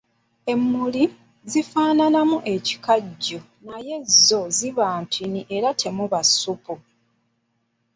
Emmuli zifaananamu ekikajjo naye zo ziba ntini era temuba ssupu.